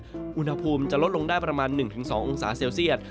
อุณหภูมิจะลดลงได้ประมาณ๑๒องศาเซลเซียต